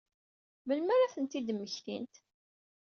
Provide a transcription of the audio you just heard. Melmi ara ad ten-id-mmektint?